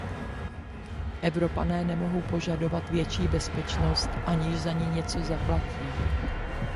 Evropané nemohou požadovat větší bezpečnost, aniž za ni něco zaplatí.